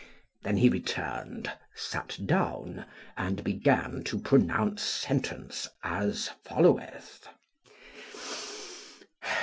Then he returned, sat down, and began to pronounce sentence as followeth.